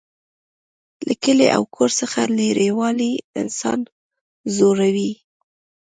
له کلي او کور څخه لرېوالی انسان ځوروي